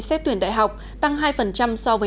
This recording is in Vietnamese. xét tuyển đại học tăng hai so với